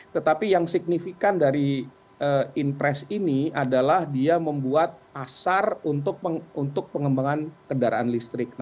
tetapi yang signifikan dari inpres ini adalah dia membuat pasar untuk pengembangan kendaraan listrik